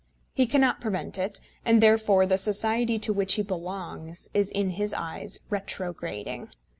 He cannot prevent it; and therefore the society to which he belongs is, in his eyes, retrograding.